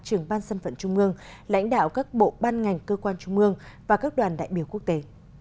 trưởng ban sân phận trung mương lãnh đạo các bộ ban ngành cơ quan trung mương và các đoàn đại biểu quốc tế